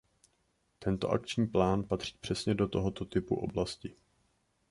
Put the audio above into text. Tento akční plán patří přesně do tohoto typu oblasti.